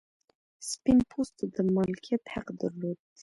سپین پوستو د مالکیت حق درلود.